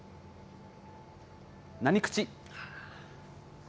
何口？